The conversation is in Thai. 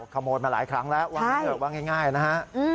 ขโมยมาหลายครั้งแล้วว่างง่ายนะคะใช่